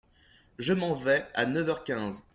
Je m’en vais à neuf heures quinze.